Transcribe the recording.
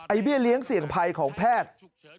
เบี้ยเลี้ยงเสี่ยงภัยของแพทย์